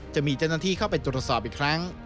จะมีเจ้าหน้าที่เข้าไปตรวจสอบอีกครั้ง